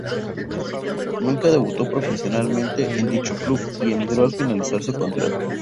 Nunca debutó profesionalmente en dicho club, y emigró al finalizar su contrato.